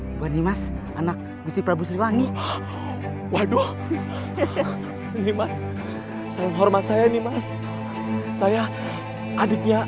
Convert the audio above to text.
hai wani mas anak gusti prabu sriwangi waduh ini mas salam hormat saya nih mas saya adiknya